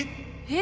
え？